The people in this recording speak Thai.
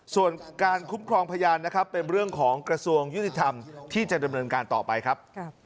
ส่วนการคุ้มครองพยานนะครับเป็นเรื่องของกระทรวงยุติธรรมที่จะดำเนินการต่อไปครับ